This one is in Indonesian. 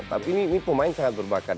tapi ini pemain sangat berbakat